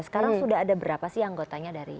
sekarang sudah ada berapa sih anggotanya dari